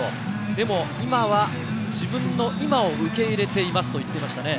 でも今は自分の今を受け入れていますと言っていましたね。